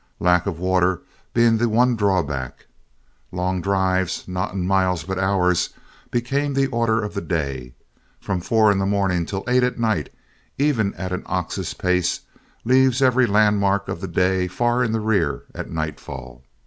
Lack of water being the one drawback, long drives, not in miles but hours, became the order of the day; from four in the morning to eight at night, even at an ox's pace, leaves every landmark of the day far in the rear at nightfall.